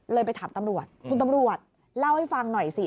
ไปถามตำรวจคุณตำรวจเล่าให้ฟังหน่อยสิ